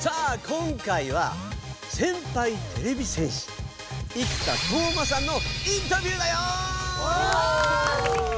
今回は先輩てれび戦士生田斗真さんのインタビューだよ！